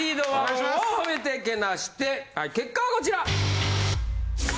結果はこちら！